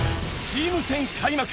チーム戦開幕！